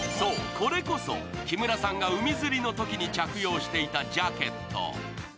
これこそ木村さんが海釣りのときに着用していたジャケット。